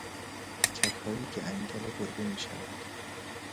ککهایی که انگل گربه میشوند